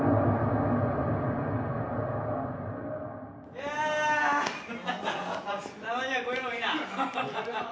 いやたまにはこういうのもいいな。